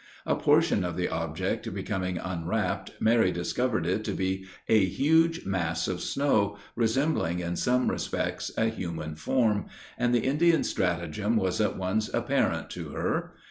A portion of the object becoming unwrapped, Mary discovered it to be a huge mass of snow, resembling in some respects a human form, and the Indian's stratagem was at once apparent to her.